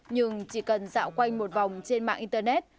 nhưng chỉ cần dạo quanh một vòng trên mạng internet